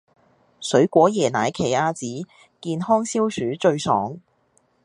水果椰奶奇亞籽健康消暑最爽